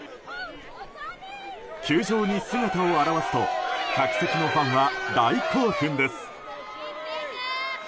球場に姿を現すと客席のファンは大興奮です。